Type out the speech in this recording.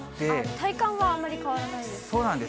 体感はあんまり変わらないんそうなんです。